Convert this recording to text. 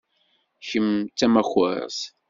Kemm d tamakart.